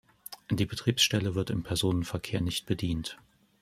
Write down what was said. Die Betriebsstelle wird im Personenverkehr nicht bedient.